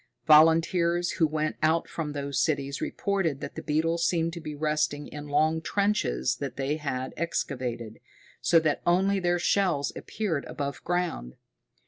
Volunteers who went out from those cities reported that the beetles seemed to be resting in long trenches that they had excavated, so that only their shells appeared above ground.